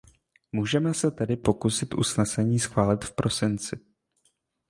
Můžeme se tedy pokusit usnesení schválit v prosinci.